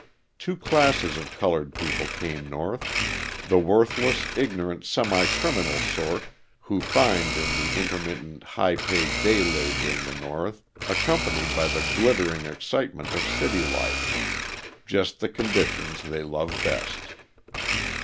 Two classes of coloured people came North: the worthless, ignorant, semi criminal sort who find in the intermittent, high paid day labour in the North, accompanied by the glittering excitements of city life, just the conditions they love best.